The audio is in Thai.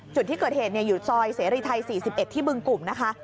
จุดที่เกิดเหตุเนี้ยอยู่ซอยเสรีไทยสี่สิบเอ็ดที่บึงกลุ่มนะคะ